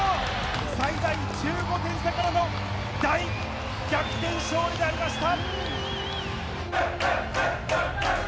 最大１５点差からの大逆転勝利でありました。